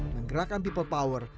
menggerakkan people power